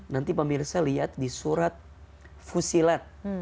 nanti pemirsa lihat di surat fusilat